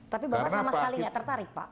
tapi bapak sama sekali tidak tertarik pak